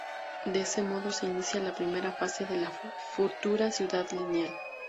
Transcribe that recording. De ese modo se inició la primera fase de la futura Ciudad Lineal.